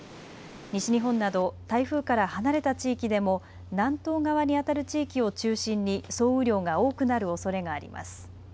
西日本など台風から離れた地域でも南東側にあたる地域を中心に総雨量が多くなるおそれがあります。